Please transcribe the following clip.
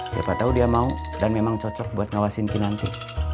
siapa tau dia mau dan memang cocok buat ngawasin kinanti